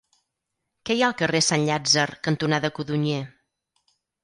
Què hi ha al carrer Sant Llàtzer cantonada Codonyer?